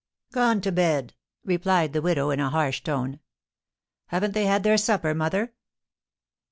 "Gone to bed," replied the widow, in a harsh tone. "Haven't they had their supper, mother?"